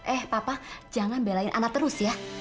eh papa jangan belain anak terus ya